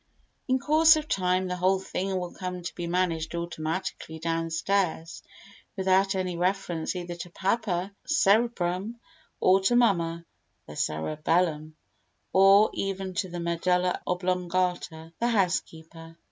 In course of time the whole thing will come to be managed automatically downstairs without any reference either to papa, the cerebrum, or to mamma, the cerebellum, or even to the medulla oblongata, the housekeeper.